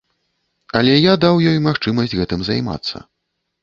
Але я даў ёй магчымасць гэтым займацца.